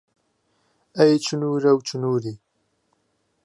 ئەی چنوورە و چنووری